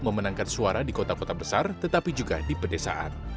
memenangkan suara di kota kota besar tetapi juga di pedesaan